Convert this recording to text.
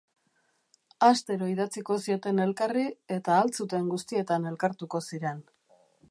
Astero idatziko zioten elkarri eta ahal zuten guztietan elkartuko ziren.